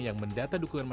yang mendata dukungannya